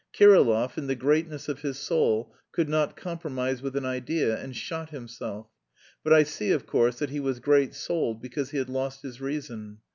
Kirillov, in the greatness of his soul, could not compromise with an idea, and shot himself; but I see, of course, that he was great souled because he had lost his reason.